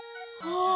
ああ！